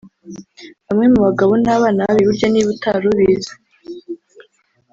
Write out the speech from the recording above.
Bamwe mu bagabo ni abana babi burya niba utarubizi